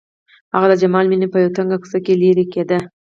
هغه د جمال مېنې په يوه تنګه کوڅه کې لېرې کېده.